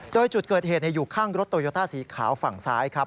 โดยจุดเกิดเหตุอยู่ข้างรถโตโยต้าสีขาวฝั่งซ้ายครับ